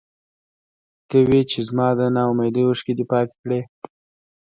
ته وې چې زما د نا اميدۍ اوښکې دې پاکې کړې.